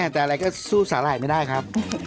แต่อะไรก็สู้สาหร่ายไม่ได้ครับ